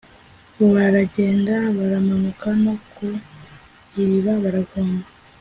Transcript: baragenda baramanuka no ku iriba baravoma,